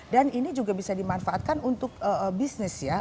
dan ini juga bisa dimanfaatkan untuk bisnis ya